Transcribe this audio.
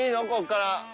ここから。